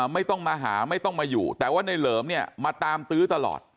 ไม่ต้องมาหาไม่ต้องมาอยู่แต่ว่าในเหลิมเนี่ยมาตามตื้อตลอด